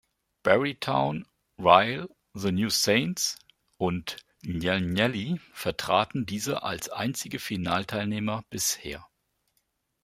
Barry Town, Rhyl, The New Saints und Llanelli vertraten diese als einzige Finalteilnehmer bisher.